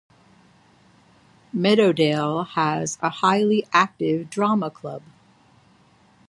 Meadowdale has a highly active drama club.